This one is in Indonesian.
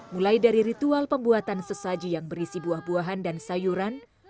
mulai dari ritual pembuatan sesaji yang berisi buah buahan dan sayuran